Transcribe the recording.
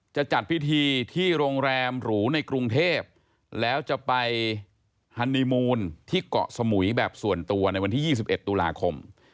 จะจัดพิธีที่โรงแรมหรูในกรุงเทพแล้วจะไปฮันนีมูลที่เกาะสมุยแบบส่วนตัวในวันที่๒๑ตุลาคม